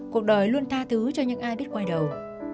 cuộc đời luôn tha thứ cho những ai biết quay đầu